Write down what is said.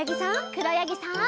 くろやぎさん。